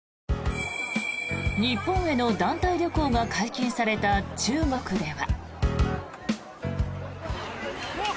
日本への団体旅行が解禁された中国では。